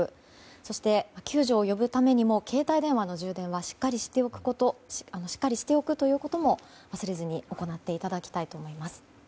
そして救助を呼ぶためにも携帯電話の充電はしっかりしておくということも忘れずに行っていただきたいと思います。